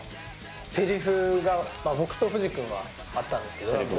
せりふが僕とＦＵＪＩ君はあったんですけど。